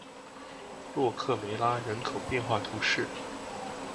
洛克梅拉人口变化图示